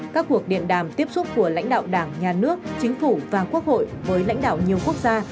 các cuộc điện đàm tiếp xúc của lãnh đạo đảng nhà nước chính phủ và quốc hội với lãnh đạo nhiều quốc gia